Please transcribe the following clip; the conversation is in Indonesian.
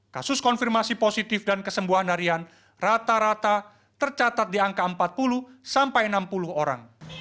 kasus konfirmasi positif dan kesembuhan harian rata rata tercatat di angka empat puluh sampai enam puluh orang